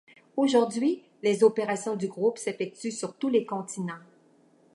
Aujourd'hui, les opérations du groupe s'effectuent sur tous les continents.